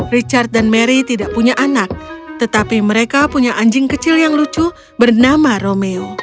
richard dan mary tidak punya anak tetapi mereka punya anjing kecil yang lucu bernama romeo